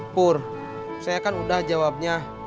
pur saya kan udah jawabnya